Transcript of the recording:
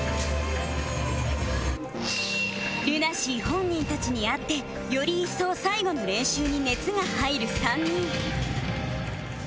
ＬＵＮＡＳＥＡ 本人たちに会ってより一層最後の練習に熱が入る３人